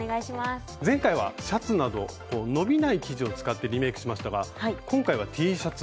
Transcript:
前回はシャツなど伸びない生地を使ってリメイクしましたが今回はＴシャツ。